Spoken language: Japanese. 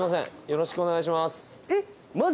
よろしくお願いします。